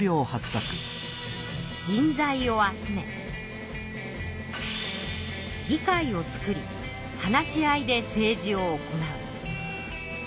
人材を集め議会を作り話し合いで政治を行う。